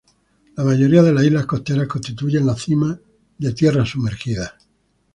La mayoría de las islas costeras constituyen las cimas de tierras sumergidas.